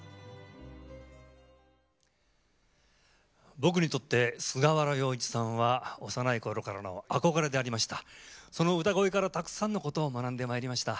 僕にとって菅原洋一さんは幼いころからの憧れであり、その歌声からたくさんのことを学んできました。